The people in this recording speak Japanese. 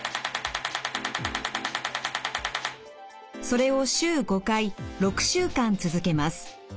それを週５回６週間続けます。